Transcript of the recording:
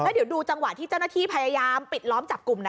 เดี๋ยวดูจังหวะที่เจ้าหน้าที่พยายามปิดล้อมจับกลุ่มนะ